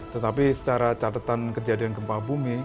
tetapi secara catatan kejadian gempa bumi